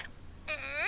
うん。